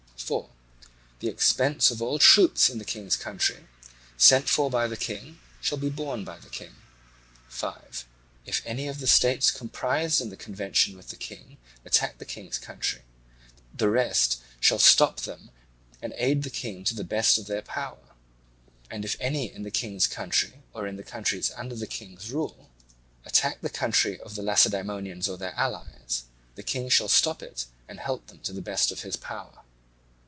4. The expense of all troops in the King's country, sent for by the King, shall be borne by the King. 5. If any of the states comprised in this convention with the King attack the King's country, the rest shall stop them and aid the King to the best of their power. And if any in the King's country or in the countries under the King's rule attack the country of the Lacedaemonians or their allies, the King shall stop it and help them to the best of his power.